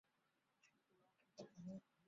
硬体模拟层。